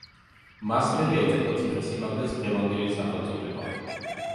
მას მერე ეწოდა ციხესიმაგრეს დღევანდელი სახელწოდება.